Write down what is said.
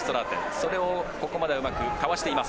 それをここまではうまくかわしています。